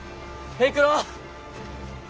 平九郎！